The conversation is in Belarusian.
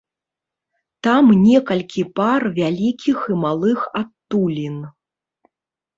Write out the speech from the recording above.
Там некалькі пар вялікіх і малых адтулін.